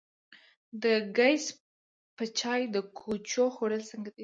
د ګیځ په چای د کوچو خوړل څنګه دي؟